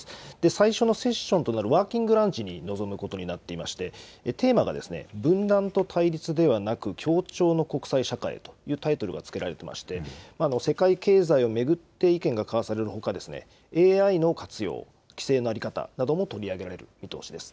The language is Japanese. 最初のセッションとなるワーキングランチに臨むことになっていましてテーマは分断と対立ではなく協調の国際社会へというタイトルがつけられていて世界経済を巡って意見が交わされるほか、ＡＩの活用、規制の在り方なども取り上げられる見通しです。